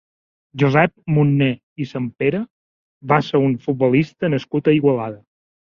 Josep Munné i Sampere va ser un futbolista nascut a Igualada.